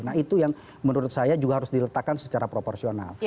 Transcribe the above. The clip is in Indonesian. nah itu yang menurut saya juga harus diletakkan secara proporsional